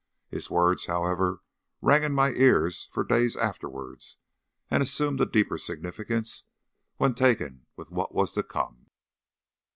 His words, however, rang in my ears for days afterwards, and assumed a deeper significance when taken with what was to come.